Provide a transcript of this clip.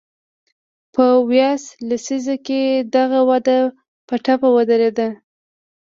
په ویاس لسیزه کې دغه وده په ټپه ودرېده.